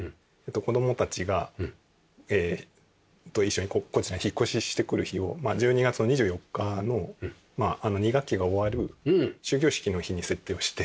子供たちと一緒にこちらに引っ越ししてくる日を１２月の２４日の２学期が終わる終業式の日に設定をして。